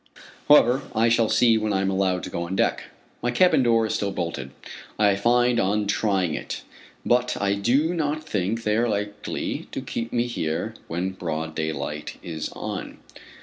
However, I shall see when I am allowed to go on deck. My cabin door is still bolted, I find on trying it; but I do not think they are likely to keep me here when broad daylight is on.